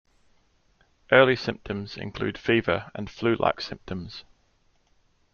Early symptoms include fever and flu-like symptoms.